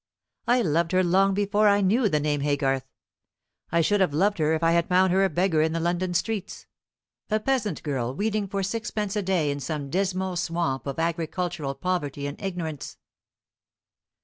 "I loved her long before I knew the name of Haygarth; I should have loved her if I had found her a beggar in the London streets, a peasant girl weeding for sixpence a day in some dismal swamp of agricultural poverty and ignorance.